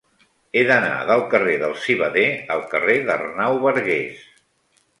He d'anar del carrer del Civader al carrer d'Arnau Bargués.